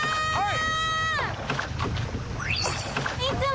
はい。